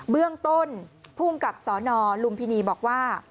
เบื้องต้นผู้มกับสอนอนรุมพิธีบอกว่า